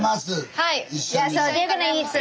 はい。